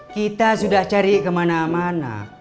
kita sudah cari kemana mana